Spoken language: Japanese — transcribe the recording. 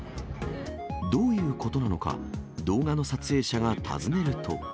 どういうことなのか、動画の撮影者が尋ねると。